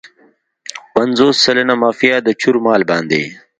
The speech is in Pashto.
پنځوس سلنه مافیا د چور مال باندې.